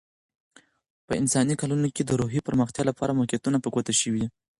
په انساني کلونه کې، د روحي پرمختیا لپاره موقعیتونه په ګوته شوي دي.